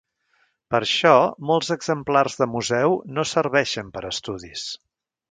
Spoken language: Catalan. Per això molts exemplars de museu no serveixen per a estudis.